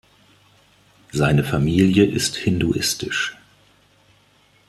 Seine Familie ist hinduistisch.